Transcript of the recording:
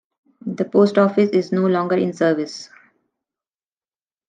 Their Post Office is no longer in service.